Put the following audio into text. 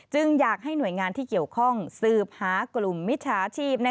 อยากให้หน่วยงานที่เกี่ยวข้องสืบหากลุ่มมิจฉาชีพ